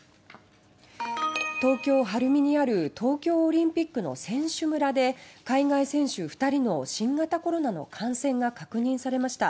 東京・晴海にある東京オリンピックの選手村で海外選手２人の新型コロナの感染が確認されました。